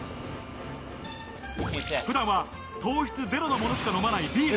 普段は糖質ゼロのものしか飲まないビール。